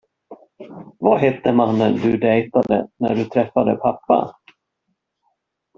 Vad hette mannen du dejtade när du träffade pappa?